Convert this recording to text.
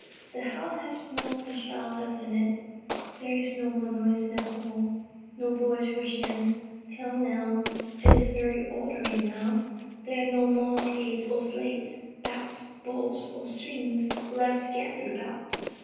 The house has not a child left in it; there is no more noise in the hall; no boys rush in, pell mell; it is very orderly now. There are no more skates or sleds, bats, balls, or strings left scattered about.